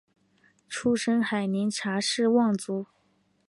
出身海宁查氏望族。